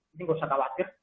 jadi gak usah khawatir